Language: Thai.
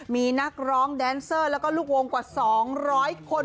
มีนักร้องแดนเซอร์แล้วก็ลูกวงกว่า๒๐๐คน